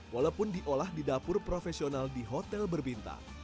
walaupun diolah di dapur profesional di hotel berbintang